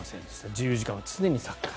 自由時間は常にサッカー。